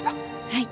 はい。